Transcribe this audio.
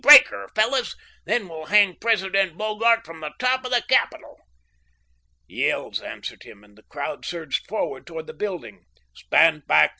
Break her, fellows! Then we'll hang President Bogart from the top of the Capitol!" Yells answered him, and the crowd surged forward toward the building. "Stand back!"